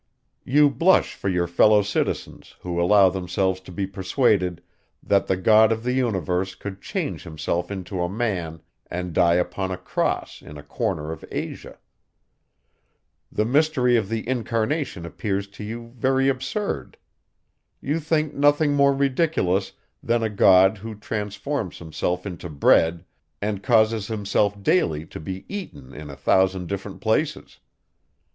You blush for your fellow citizens, who allow themselves to be persuaded, that the God of the universe could change himself into a man, and die upon a cross in a corner of Asia. The mystery of the incarnation appears to you very absurd. You think nothing more ridiculous, than a God, who transforms himself into bread, and causes himself daily to be eaten in a thousand different places.